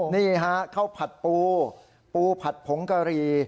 นี่ครับข้าวผัดปูปูผัดผงกะรี